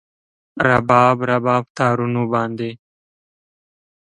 رباب، رباب تارونو باندې